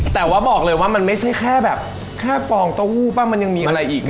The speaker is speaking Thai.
แต่ว่าบอกเลยว่ามันไม่ใช่แค่แบบแค่ฟองเต้าหู้ป่ะมันยังมีอะไรอีกนะ